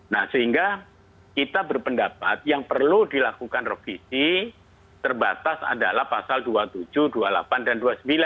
nah sehingga kita berpendapat yang perlu dilakukan revisi terbatas adalah pasal dua puluh tujuh dua puluh delapan dan dua puluh sembilan